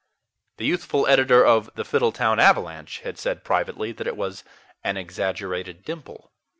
The youthful editor of THE FIDDLETOWN AVALANCHE had said privately that it was "an exaggerated dimple."